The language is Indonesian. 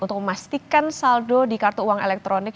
untuk memastikan saldo di kartu uang elektronik